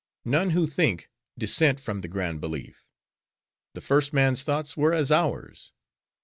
None who think, dissent from the grand belief. The first man's thoughts were as ours.